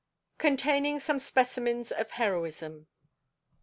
_Containing some Specimens of Heroism.